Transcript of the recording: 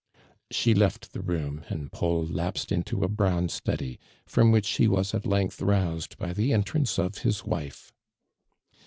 She left the room, and Paul lapsed into a brown study, from which he was at length roused by the entrance of his wife.